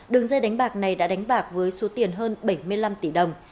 đường dây đánh bạc này đã đánh bạc với số tiền hơn bảy mươi năm tỷ đồng